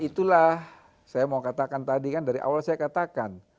itulah saya mau katakan tadi kan dari awal saya katakan